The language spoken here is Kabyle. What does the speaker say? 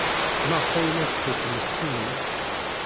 Maɣef ay la tt-tettmestinem?